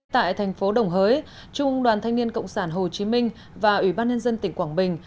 tại thành phố đồng hới trung đoàn thanh niên cộng sản hồ chí minh và ủy ban nhân dân tỉnh quảng bình